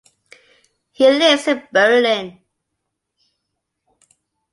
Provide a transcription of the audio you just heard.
He lives in Berlin.